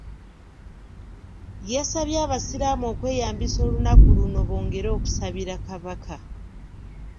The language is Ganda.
Yasabye abasiraamu okweyambisa olunaku luno bongere okusabira Kabaka.